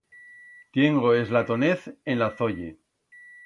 Tiengo es latonez en la zolle.